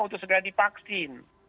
untuk segera divaksin